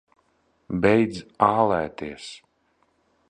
Beidz ālēties!